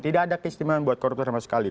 tidak ada keistimewaan buat koruptor sama sekali